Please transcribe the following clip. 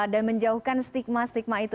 dan menjauhkan stigma stigma itu tadi